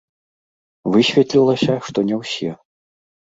Высветлілася, што не ўсе.